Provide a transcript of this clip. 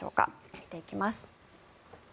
見ていきます。